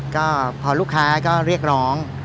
ก็พอลูกค้าก็เรียกร้อง